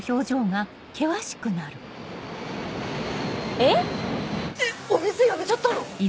えっ⁉えっお店辞めちゃったの？